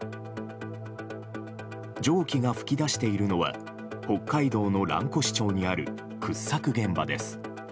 蒸気が噴き出しているのは北海道の蘭越町にある掘削現場です。